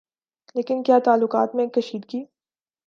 لیکن کیا تعلقات میں کشیدگی